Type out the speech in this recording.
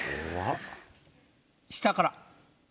下から。